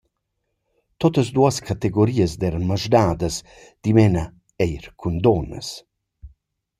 Tuottas duos categorias d’eiran maschdadas, dimena eir cun duonnas.